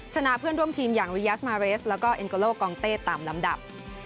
ชนะเพื่อนร่วมทีมอย่างริยาสมาเรสแล้วก็เอ็นโกโลกองเต้ตามลำดับ